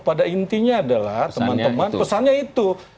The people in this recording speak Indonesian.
pada intinya adalah teman teman pesannya itu